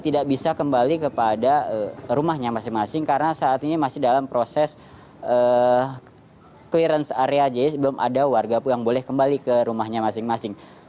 tidak bisa kembali kepada rumahnya masing masing karena saat ini masih dalam proses clearance area jadi belum ada warga yang boleh kembali ke rumahnya masing masing